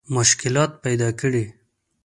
مشکلات پیدا کړي.